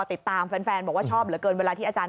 ติดตามแฟนบอกว่าชอบเหลือเกินเวลาที่อาจารย์